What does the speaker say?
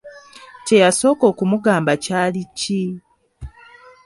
Kye yasooka okumugamba kyali ki?